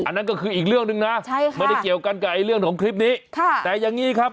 นั่นก็คืออีกเรื่องหนึ่งนะใช่ค่ะไม่ได้เกี่ยวกันกับเรื่องของคลิปนี้ค่ะแต่อย่างนี้ครับ